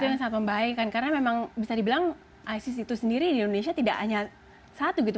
itu yang sangat membahayakan karena memang bisa dibilang isis itu sendiri di indonesia tidak hanya satu gitu